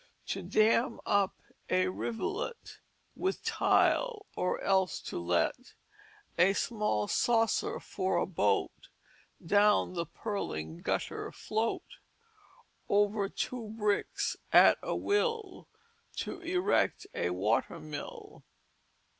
To dam up a rivulet With a tile, or else to let A small saucer for a boat Down the purling gutter float: Over two bricks at a will To erect a water mill.